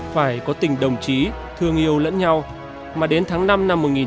phải có tình đồng chí thương yêu lẫn nhau mà đến tháng năm năm một nghìn chín trăm bảy mươi